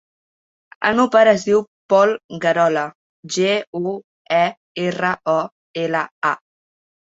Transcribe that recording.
El meu pare es diu Pol Guerola: ge, u, e, erra, o, ela, a.